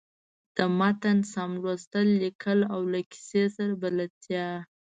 د متن سم لوستل، ليکل او له کیسۍ سره بلدتیا.